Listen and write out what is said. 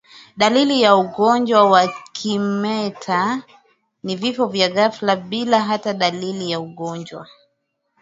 Dalili ya ugonjwa wa kimeta ni vifo vya ghafla bila hata dalili ya ugonjwa